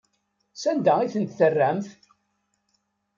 Sanda ay tent-terramt?